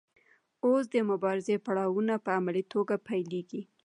اوس د مبارزې پړاوونه په عملي توګه پیلیږي.